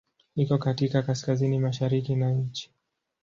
Iko katika kaskazini-mashariki ya nchi.